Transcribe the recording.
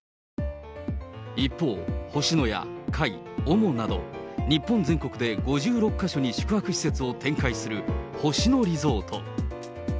一方、星のや、界、オモなど、日本全国で５６か所に宿泊施設を展開する星野リゾート。